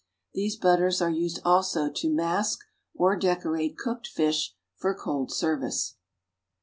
These butters are used also to mask or decorate cooked fish for "cold service."